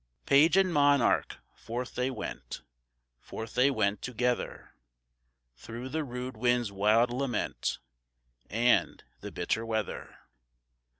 Page and monarch, forth they went, Forth they went together; Through the rude wind's wild lament And the bitter weather.